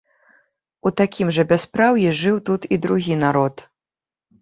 У такім жа бяспраўі жыў тут і другі народ.